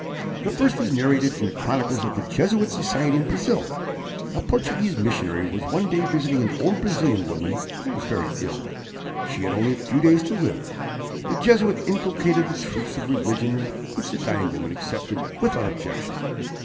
"The first is narrated in the chronicles of the Jesuit Society in Brazil. A Portuguese missionary was one day visiting an old Brazilian woman who was very ill. She had only a few days to live. The Jesuit inculcated the truths of religion, which the dying woman accepted, without objection.